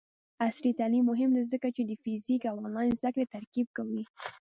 عصري تعلیم مهم دی ځکه چې د فزیکي او آنلاین زدکړې ترکیب کوي.